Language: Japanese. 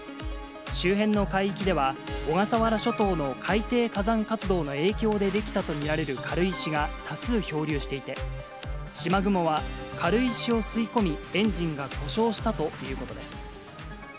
周辺の海域では、小笠原諸島の海底火山活動の影響で出来たと見られる軽石が多数漂流していて、しまぐもは軽石を吸い込み、エンジンが故障したということです。